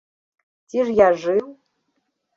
Ці ж я жыў?